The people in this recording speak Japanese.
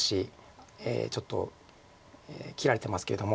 ちょっと切られてますけれども。